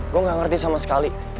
gue gak ngerti sama sekali